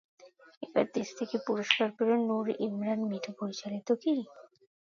এবার দেশ থেকে পুরস্কার পেল নূর ইমরান মিঠু পরিচালিত কি?